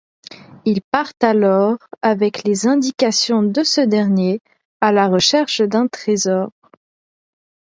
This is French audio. Ils partent alors, avec les indications de ce dernier, à la recherche d'un trésor.